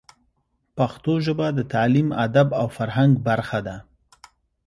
پښتو ژبه د تعلیم، ادب او فرهنګ برخه ده.